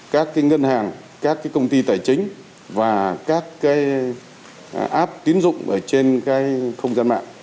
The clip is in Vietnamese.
các ngân hàng các công ty tài chính và các app tín dụng trên không gian mạng